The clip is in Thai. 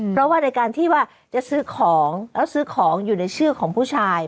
เพราะว่าในการที่ว่าจะซื้อของแล้วซื้อของอยู่ในชื่อของผู้ชาย